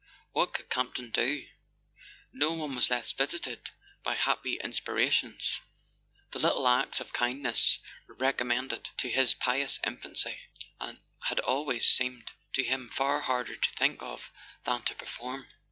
What could Campton do? No one was less visited by happy inspirations; the "little acts of kindness" recommended to his pious infancy had always seemed to him far harder to think of than to perform.